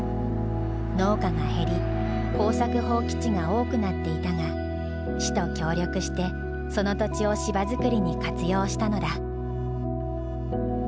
農家が減り耕作放棄地が多くなっていたが市と協力してその土地を芝作りに活用したのだ。